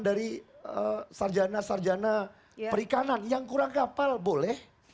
jadi sarjana sarjana perikanan yang kurang kapal boleh